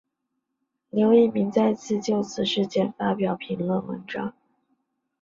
刘逸明再次就此事件发表评论文章。